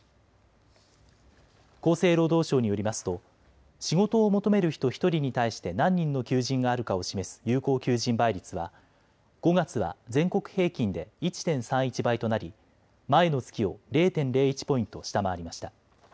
厚生労働省によりますと仕事を求める人１人に対して何人の求人があるかを示す有効求人倍率は５月は全国平均で１．３１倍となり、前の月を０．０１ポイント下回りました。